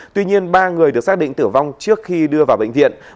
tuy nhiên ba người được xác định tử vong trước khi đưa vào bệnh viện